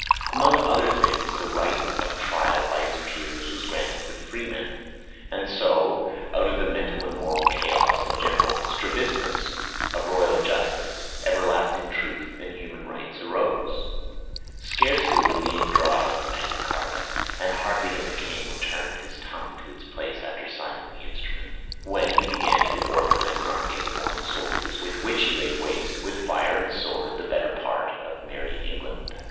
Among other things the right of trial by his peers was granted to the freeman; and so, out of the mental and moral chaos and general strabismus of royal justice, everlasting truth and human rights arose. Scarcely was the ink dry on Magna Charta, and hardly had the king returned his tongue to its place after signing the instrument, when he began to organize an army of foreign soldiers, with which he laid waste with fire and sword the better part of "Merrie Englande."